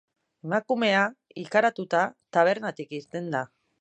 Emakumea, ikaratuta, tabernatik irten da.